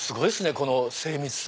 この精密さ。